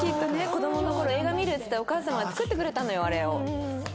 子供の頃映画見るっていってお母様が作ってくれたのよあれを。